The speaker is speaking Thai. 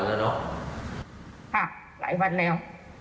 แต่ก็เหมือนเดิม